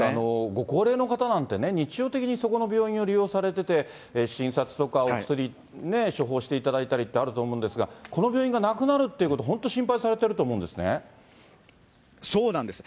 ご高齢の方なんてね、日常的にそこの病院を利用されてて、診察とかお薬ね、処方していただいたりってあると思うんですが、この病院がなくなるっていうことを本当に心配されてると思うんでそうなんです。